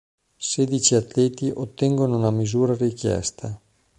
Sedici atleti ottengono la misura richiesta.